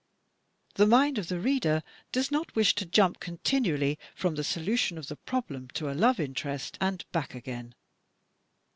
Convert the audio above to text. The mind of the reader does not wish to jimip continually from the solution of the problem to a love interest, and back again.